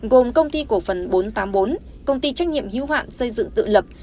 gồm công ty cổ phần bốn trăm tám mươi bốn công ty trách nhiệm hiếu hạn xây dựng tự lập